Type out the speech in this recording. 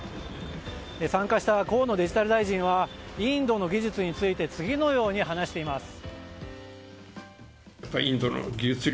参加した河野デジタル大臣はインドの技術について次のように話しています。